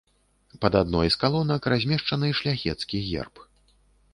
Пад адной з калонак размешчаны шляхецкі герб.